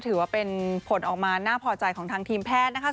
ถือว่าเป็นผลออกมาน่าพอใจของทางทีมแพทย์นะคะ